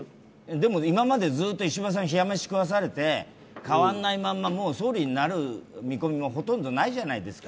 でも今までずっと石破さん冷や飯食わされてもう総理になる見込みもほとんどないじゃないですか。